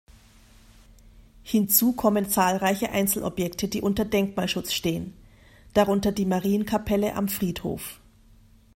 Hinzu kommen zahlreiche Einzelobjekte, die unter Denkmalschutz stehen, darunter die Marienkapelle am Friedhof.